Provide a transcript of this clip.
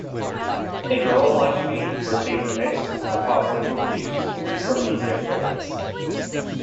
"A Girl Like Me" received mixed to positive reviews from music critics.